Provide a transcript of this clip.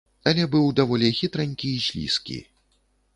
Але быў даволі хітранькі і слізкі.